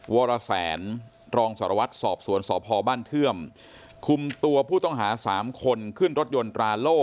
วรแสนรองสารวัตรสอบสวนสพบ้านเทื่อมคุมตัวผู้ต้องหาสามคนขึ้นรถยนต์ตราโล่